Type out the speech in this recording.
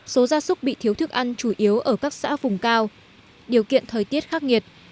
số gia súc bị thiếu thức ăn chủ yếu ở các xã vùng cao điều kiện thời tiết khắc nghiệt